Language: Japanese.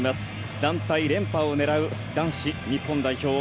団体連覇を狙う男子日本代表。